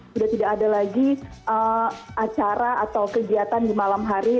sudah tidak ada lagi acara atau kegiatan di malam hari